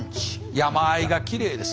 山あいがきれいです。